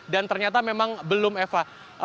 dan ternyata memang belum eva